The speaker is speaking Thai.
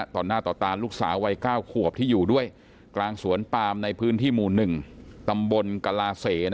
ต่อหน้าต่อตาลูกสาววัย๙ขวบที่อยู่ด้วยกลางสวนปามในพื้นที่หมู่๑ตำบลกลาเส